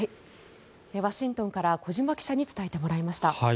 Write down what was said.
ワシントンから小島記者に伝えてもらいました。